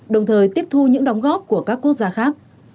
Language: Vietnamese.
đồng thời tiếp thu những đóng góp của các quốc gia khác